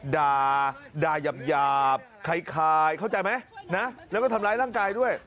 ด่าด่ายาบคล้ายเข้าใจไหมนะแล้วก็ทำร้ายร่างกายด้วย